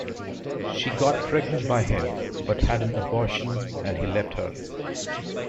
She got pregnant by him but had an abortion and he left her.